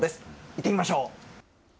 いってみましょう。